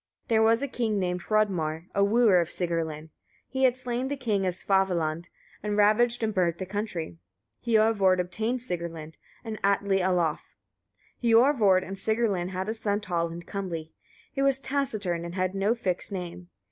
There was a king named Hrodmar, a wooer of Sigrlinn: he had slain the king of Svavaland, and ravaged and burnt the country. Hiorvard obtained Sigrlinn, and Atli Alof. Hiorvard and Sigrlinn had a son tall and comely: he was taciturn and had no fixed name.